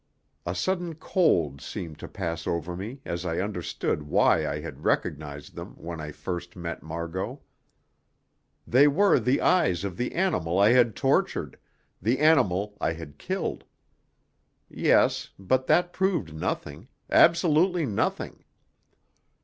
A sudden cold seemed to pass over me as I understood why I had recognised them when I first met Margot. They were the eyes of the animal I had tortured, the animal I had killed. Yes, but that proved nothing, absolutely nothing.